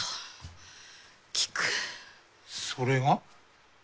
それが？